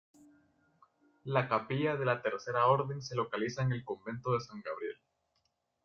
La Capilla de la Tercera Orden se localiza en el convento de San Gabriel.